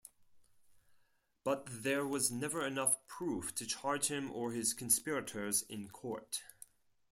But there was never enough proof to charge him or his conspirators in court.